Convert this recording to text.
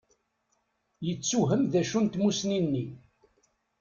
Yettewhem d acu n tmussni-nni.